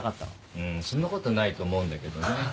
うんそんなことないと思うんだけどね。